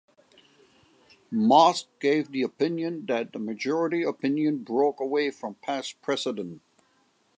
Mosk gave the opinion that the majority opinion broke away from past precedent.